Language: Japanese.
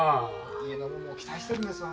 家のもんも期待してるんですわ。